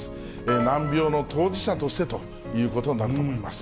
難病の当事者としてということになると思います。